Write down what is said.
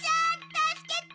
・・たすけて！